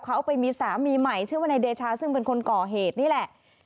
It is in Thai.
เขาไปมีสามีใหม่ชื่อว่านายเดชาซึ่งเป็นคนก่อเหตุนี่แหละ